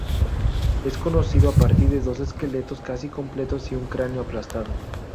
Es conocido a partir de dos esqueletos casi completos y un cráneo aplastado.